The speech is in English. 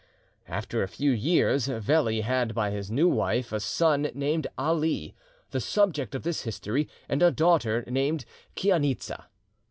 After a few years, Veli had by his new wife a son named Ali, the subject of this history, and a daughter named Chainitza.